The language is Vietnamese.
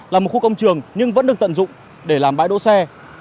là một khu công trường nhưng vẫn được tận dụng để làm bãi đỗ xe